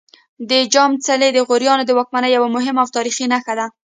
د جام څلی د غوریانو د واکمنۍ یوه مهمه او تاریخي نښه ده